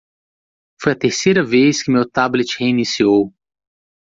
Foi a terceira vez que meu tablet reiniciou.